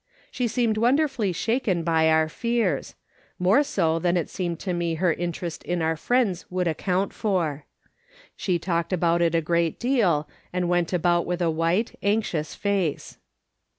She seemed wonderfully shaken by our fears ; more so than it seemed to me her interest in our friends would account for. She talked 304 MMS. SOLOMON SMITH LOOKING ON. al)out it a great deal, and went about with a white, anxious face.